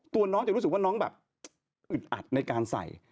ตัวน้องจะรู้สึกว่าน้องแบบอึดอัดในการใส่